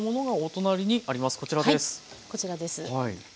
はいこちらです。